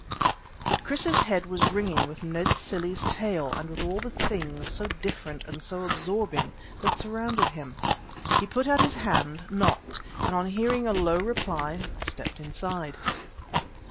But Chris's head was ringing with Ned Cilley's tale, and with all the things, so different and so absorbing, that surrounded him. He put out his hand, knocked, and on hearing a low reply, stepped inside.